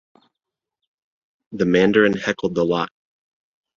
The mandarin heckled the lot.